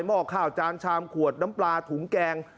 ห้อข้าวจานชามขวดน้ำปลาถุงแกง